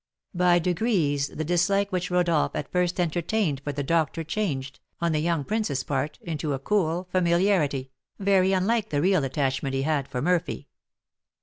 By degrees the dislike which Rodolph at first entertained for the doctor changed, on the young prince's part, into a cool familiarity, very unlike the real attachment he had for Murphy.